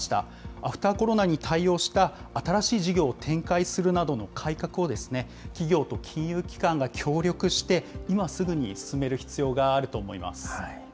アフターコロナに対応した新しい事業を展開するなどの改革を、企業と金融機関が協力して、今すぐに進める必要があると思います。